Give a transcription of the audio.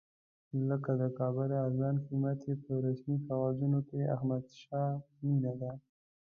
لکه د کابل ارزان قیمت چې په رسمي کاغذونو کې احمدشاه مېنه ده.